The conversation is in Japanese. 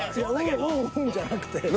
うんうんじゃなくて。